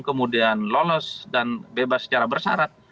kemudian lolos dan bebas secara bersarat